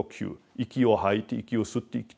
息を吐いて息を吸って生きている。